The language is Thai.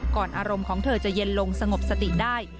อารมณ์ของเธอจะเย็นลงสงบสติได้